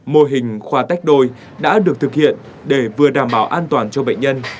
mô hình khoa tách đôi đã được thực hiện để vừa đảm bảo an toàn cho bệnh nhân